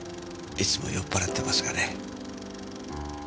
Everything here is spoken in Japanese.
いつも酔っ払ってますがね。